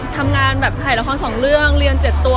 ทำงานแบบทำราคอนสองเรื่องเรียน๗ตัว